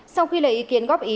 sau khi lấy ý kiến góp ý